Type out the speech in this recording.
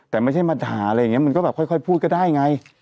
แต่ไม่ใช่มาถ่ามันก็แบบค่อยพูดก็ได้ไง